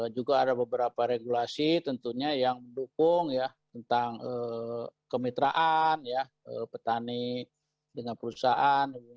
juga ada beberapa regulasi tentunya yang mendukung tentang kemitraan petani dengan perusahaan